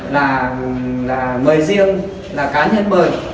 là mời riêng là cá nhân mời